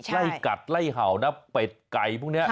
ไล่กัดไล่เห่านะเป็ดไก่พวกนี้